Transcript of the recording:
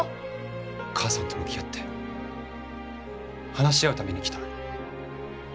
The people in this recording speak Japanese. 母さんと向き合って話し合うために来た。